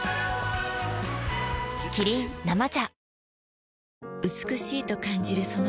キリン「生茶」